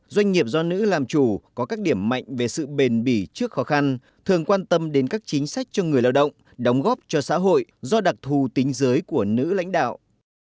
doanh nghiệp do nữ làm chủ có các điểm mạnh về sự bền bỉ trước khó khăn thường quan tâm đến các chính sách cho người lao động đóng góp cho xã hội do đặc thù tính giới của nữ lãnh đạo